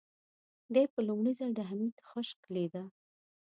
دې په لومړي ځل د حميد خشکه لېده.